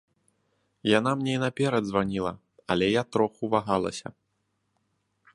Яна мне і наперад званіла, але я троху вагалася.